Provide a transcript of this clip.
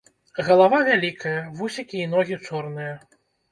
Галава вялікая, вусікі і ногі чорныя.